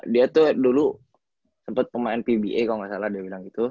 dia tuh dulu sempet pemain pba kalo gak salah dia bilang gitu